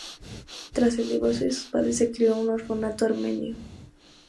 Tras el divorcio de sus padres se crio en un orfanato armenio.